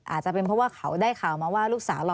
อาจเป็นเพราะว่ากลุกสาหร่อ